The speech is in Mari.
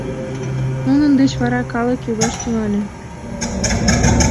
Нунын деч вара калык йогаш тӱҥале.